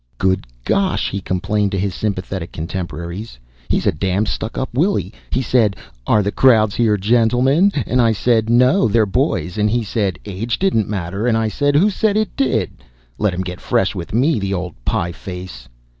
"Good gosh!" he complained to his sympathetic contemporaries, "he's a damn stuck up Willie. He said, 'Are the crowd here gentlemen?' and I said, 'No, they're boys,' and he said age didn't matter, and I said, 'Who said it did?' Let him get fresh with me, the ole pieface!"